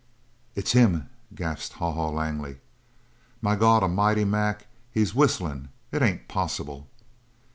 "It's him!" gasped Haw Haw Langley. "My God A'mighty, Mac, he's whistlin'! It ain't possible!"